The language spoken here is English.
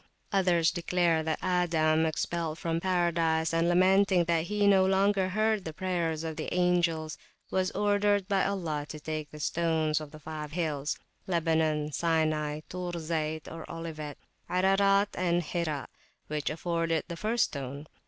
Others declare that Adam, expelled from Paradise, and lamenting that he no longer heard the prayers of the angels, was ordered by Allah to take the stones of five hills, Lebanon, Sinai, Tur Zayt (Olivet), Ararat, and Hira, which afforded the first stone.